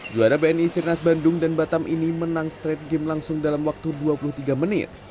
juara bni sirnas bandung dan batam ini menang straight game langsung dalam waktu dua puluh tiga menit